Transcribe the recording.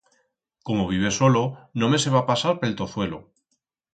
Como vives solo no me se va pasar pe'l tozuelo.